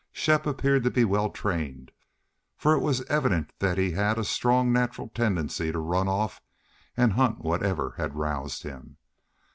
Shepp appeared to be well trained, for it was evident that he had a strong natural tendency to run off and hunt for whatever had roused him.